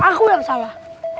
aku yang salah